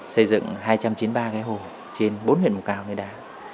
xây dựng hai trăm chín mươi ba cái hồ trên bốn huyện mùa cao này đã